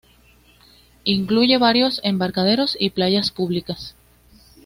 Incluye varios embarcaderos y playas públicas.